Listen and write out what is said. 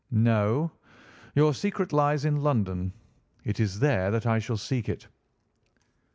"No, your secret lies in London. It is there that I shall seek it."